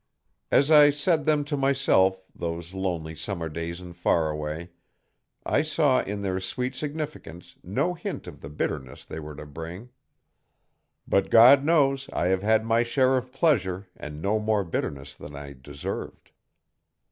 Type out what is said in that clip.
As I said them to myself, those lonely summer days in Faraway, I saw in their sweet significance no hint of the bitterness they were to bring. But God knows I have had my share of pleasure and no more bitterness than I deserved.